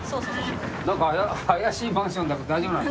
何か怪しいマンションだけど大丈夫なの？